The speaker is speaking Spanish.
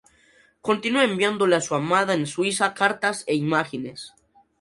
Continúa enviándole a su amada en Suiza cartas e imágenes.